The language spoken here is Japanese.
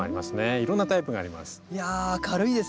いろんなタイプがあります。